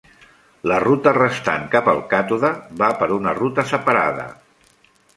La ruta restant cap al càtode va per una ruta separada.